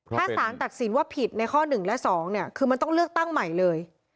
ถ้าสารตัดสินว่าผิดในข้อ๑และ๒เนี่ยคือมันต้องเลือกตั้งใหม่เลย